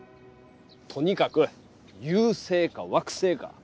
とにかく「遊星」か「惑星」か。